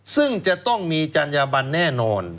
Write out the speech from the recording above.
ซึ่งก็จะต้องมีจัญบัณฑ์แน่นอน